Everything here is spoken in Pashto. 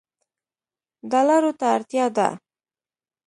ډالرو ته اړتیا ده